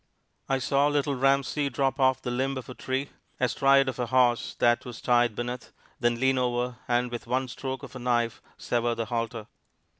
I saw Little Ramsey drop off the limb of a tree astride of a horse that was tied beneath, then lean over, and with one stroke of a knife sever the halter.